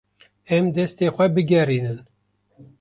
Em destên xwe bigerînin.